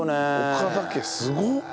岡田家すごっ！